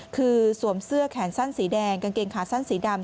คือสวมเสื้อแขนสั้นสีแดงกางเกงขาสั้นสีดำ